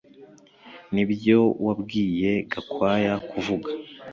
Nibyo wabwiye Gakwaya kuvuga